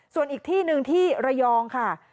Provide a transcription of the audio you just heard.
ส่วนอีกที่หนึ่งที่ระยองค่ะ